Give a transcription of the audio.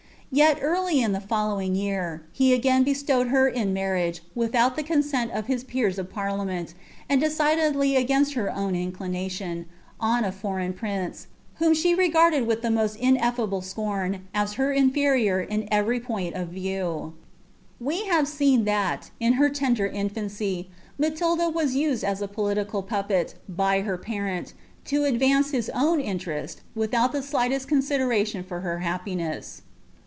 ' Yet, early in the following year, he again bestowed L nurriago, without the consent of his peers of parliumenl, and idly Bgainst her own inclination, on a foreign prince, whom she TVfudcd with the most incflkble acorn, as her inferior in every point of We have seen tltat, in licr tender infancy, Matilda was used as a politi cal puppet, by her parent, lo advance his own interest, without tha diicfabBl con»ideialion for her happiness.